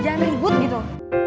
jangan ribut gitu